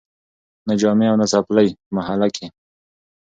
نه جامې او نه څپلۍ په محله کي